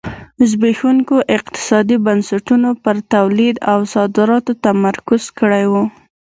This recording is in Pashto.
زبېښونکو اقتصادي بنسټونو پر تولید او صادراتو تمرکز کړی و.